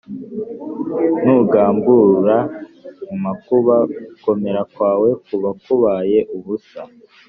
nugamburura mu makuba, gukomera kwawe kuba kubaye ubusa